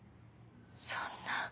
そんな。